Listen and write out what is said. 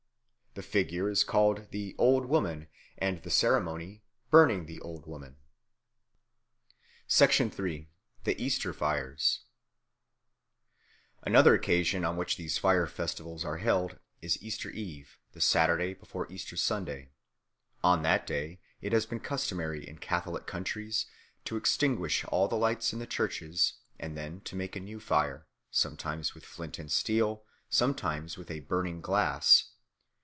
The figure is called the Old Woman, and the ceremony "burning the Old Woman." 3. The Easter Fires ANOTHER occasion on which these fire festivals are held is Easter Eve, the Saturday before Easter Sunday. On that day it has been customary in Catholic countries to extinguish all the lights in the churches, and then to make a new fire, sometimes with flint and steel, sometimes with a burning glass.